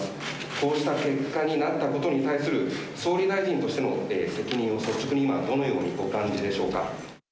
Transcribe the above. こうした結果になったことに対する総理大臣としての責任を率直に今、どのようにお感じでしょうか？